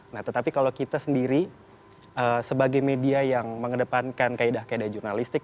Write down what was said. nah tetapi kalau kita sendiri sebagai media yang mengedepankan kaedah kaedah jurnalistik